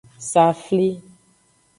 Safli.